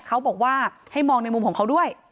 เขาบอกว่าให้มองในมุมของเขาด้วย